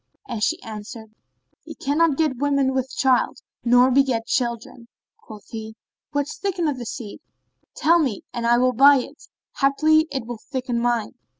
And she answered, "He cannot get women with child, nor beget children." Quoth he, "What thickeneth the seed? tell me and I will buy it: haply, it will thicken mine."